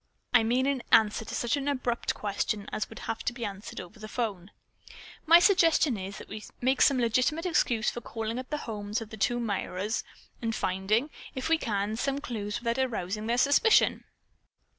I mean in answer to such an abrupt question as would have to be asked over the 'phone. My suggestion is that we make some legitimate excuse for calling at the homes of the two Myras and finding, if we can, some clues without arousing their suspicion."